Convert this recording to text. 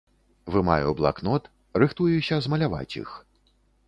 Вымаю блакнот, рыхтуюся змаляваць іх.